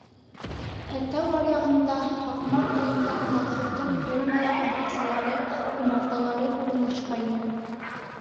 Ә тау аръяғында, Һаҡмар буйында, колхоздың фермалары, баҡсалары, умарталығы урынлашҡайны.